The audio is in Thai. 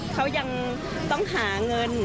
เขายังต้องหาเงิน